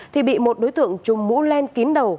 thì bị một đối tượng chùm mũ len kín đầu